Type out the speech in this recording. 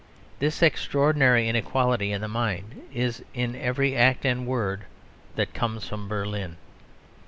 This extraordinary inequality in the mind is in every act and word that comes from Berlin.